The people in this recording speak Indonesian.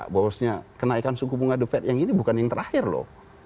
saya lupa bahwasanya kenaikan suku bunga the fed yang ini bukan yang terakhir loh